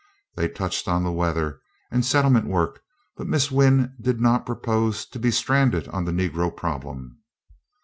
They touched on the weather, and settlement work; but Miss Wynn did not propose to be stranded on the Negro problem.